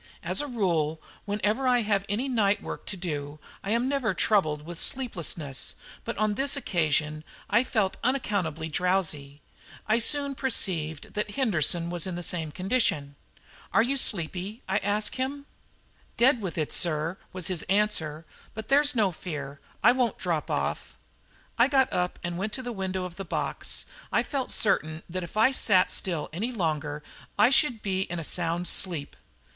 As a rule, whenever I have any night work to do, I am never troubled with sleepiness, but on this occasion I felt unaccountably drowsy. I soon perceived that Henderson was in the same condition. "Are you sleepy?" I asked of him. "Dead with it, sir," was his answer; "but there's no fear, I won't drop off." I got up and went to the window of the box. I felt certain that if I sat still any longer I should be in a sound sleep.